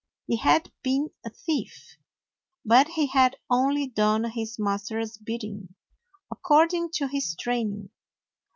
He had been a thief, but he had only done his master's bidding, according to his training.